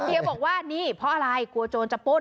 เดียบอกว่านี่เพราะอะไรกลัวโจรจะป้น